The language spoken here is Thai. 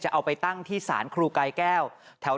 เอาไปตั้งที่ศาลครูกายแก้ว